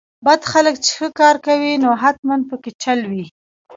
بد خلک چې ښه کار کوي نو حتماً پکې چل وي.